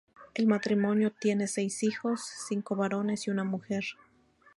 El matrimonio tiene seis hijos: cinco varones y una mujer.